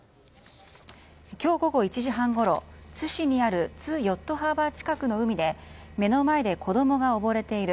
今日午後１時半ごろ、津市にある津ヨットハーバー近くの海で目の前で子供が溺れている。